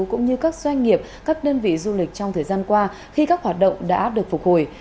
cũng như các doanh nghiệp các đơn vị du lịch trong thời gian qua khi các hoạt động đã được phục hồi